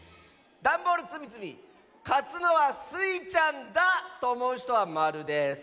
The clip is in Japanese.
だんボールつみつみかつのはスイちゃんだとおもうひとは○です。